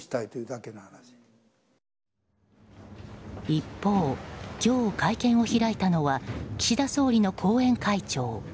一方、今日会見を開いたのは岸田総理の後援会長。